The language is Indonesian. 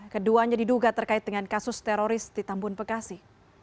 keduanya diduga terkait dengan kasus teroris di tambun bekasi